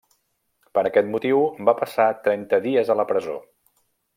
Per aquest motiu va passar trenta dies a la presó.